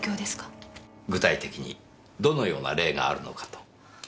具体的にどのような例があるのかと。